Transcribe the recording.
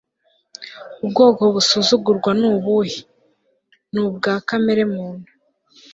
ubwoko busuzugurwa ni ubuhe? ni ubwa kamere muntu